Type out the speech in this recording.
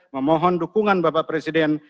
memohon dukungan bapak presiden